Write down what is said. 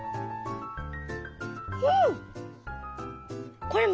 うん！